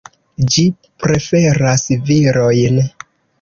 Ĝi preferas virojn.